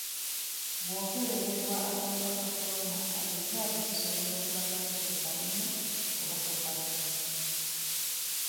Bw'okeberwa akawuka ka kolona alizaati zisobola okulaga nti okalina oba tokalina.